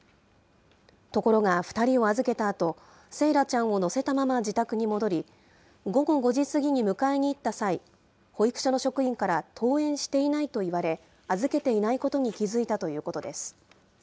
ところが、２人を預けたあと、惺愛ちゃんを乗せたまま、自宅に戻り、午後５時過ぎに迎えに行った際、保育所の職員から登園していないといわれ、預けていないことに気付いたということです。